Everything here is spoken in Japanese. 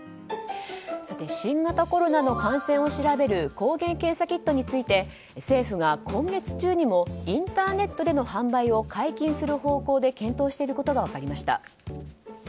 新型コロナの感染を調べる抗原検査キットについて政府が今月中にもインターネットでの販売を解禁する方向で検討していることが分かりました。